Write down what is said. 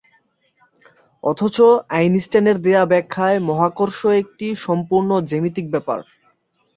অথচ আইনস্টাইনের দেওয়া ব্যাখ্যায় মহাকর্ষ একটি সম্পূর্ণ জ্যামিতিক ব্যাপার।